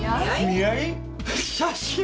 写真。